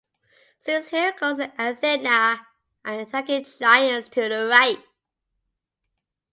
Zeus, Heracles and Athena are attacking Giants to the right.